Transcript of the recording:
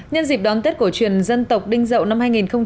nhân dịp đón tết của truyền dân tộc đinh dậu năm hai nghìn một mươi bảy